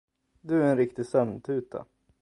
Du är en riktig sömntuta.